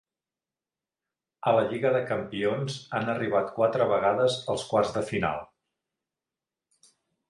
A la Lliga de Campions han arribat quatre vegades als quarts de final.